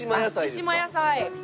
三島野菜。